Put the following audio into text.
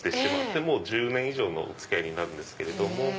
もう１０年以上の付き合いになるんですけれども。